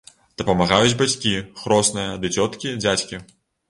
Дапамагаюць бацькі, хросная, ды цёткі-дзядзькі.